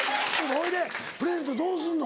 ほいでプレゼントどうするの？